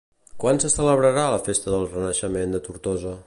Quan se celebrarà La Festa del Renaixement de Tortosa?